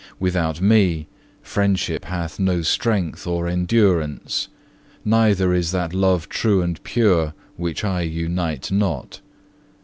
Without Me friendship hath no strength or endurance, neither is that love true and pure, which I unite not.